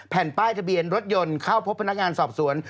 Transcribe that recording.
แผ่นป้ายทะเบียนรถยนต์เข้าพบพนักงานสอบสวน